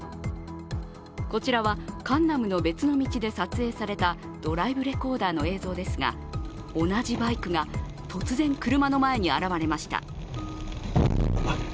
こちらはカンナムの別の道で撮影されたドライブレコーダーの映像ですが同じバイクが突然、車の前に現れました。